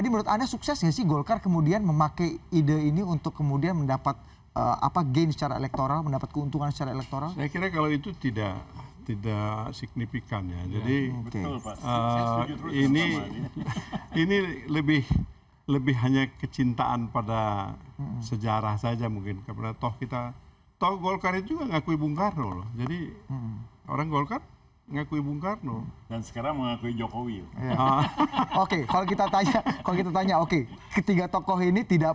baru dipahlawankan dua ribu dua belas